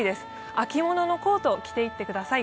秋物のコートを着ていってください。